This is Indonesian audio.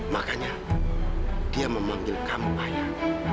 makanya dia memanggil kamu ayah